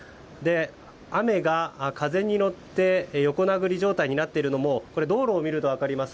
雨が風に乗って横殴り状態になっているのも道路を見ると分かります。